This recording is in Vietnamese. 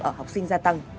ở học sinh gia tăng